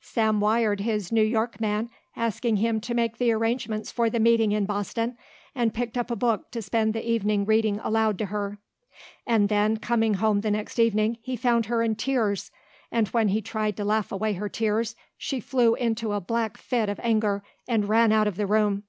Sam wired his New York man asking him to make the arrangements for the meeting in Boston and picked up a book to spend the evening reading aloud to her. And then, coming home the next evening he found her in tears and when he tried to laugh away her fears she flew into a black fit of anger and ran out of the room.